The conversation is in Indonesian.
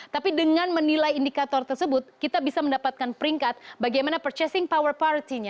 tapi dengan menilai indikator tersebut kita bisa mendapatkan peringkat bagaimana purchasing power party nya